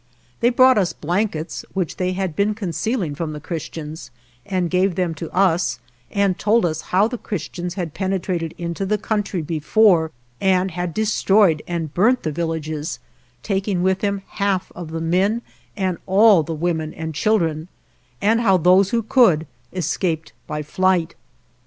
They brought us blankets, which they had been concealing from the Christians, and gave them to us, and told us how the Chris tians had penetrated into the country be fore, and had destroyed and burnt the vil lages, taking with them half of the men and all the women and children, and how those who could escaped by flight.